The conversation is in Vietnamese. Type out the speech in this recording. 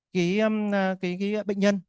cái bệnh nhân